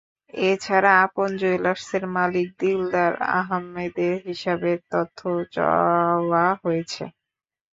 এ ছাড়া আপন জুয়েলার্সের মালিক দিলদার আহমেদের হিসাবের তথ্যও চাওয়া হয়েছে।